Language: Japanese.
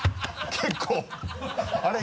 結構あれ？